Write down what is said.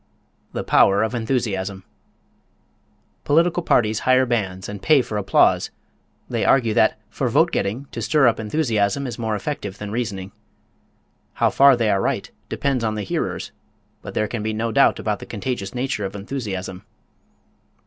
The Power of Enthusiasm Political parties hire bands, and pay for applause they argue that, for vote getting, to stir up enthusiasm is more effective than reasoning. How far they are right depends on the hearers, but there can be no doubt about the contagious nature of enthusiasm.